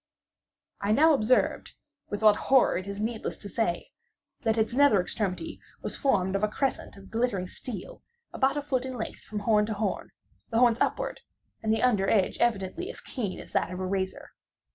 I now observed—with what horror it is needless to say—that its nether extremity was formed of a crescent of glittering steel, about a foot in length from horn to horn; the horns upward, and the under edge evidently as keen as that of a razor.